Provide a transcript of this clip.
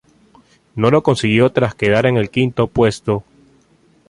No lo consiguió, tras quedar en el quinto puesto.